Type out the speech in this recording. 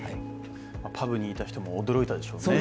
パブにいた人も驚いたでしょうね。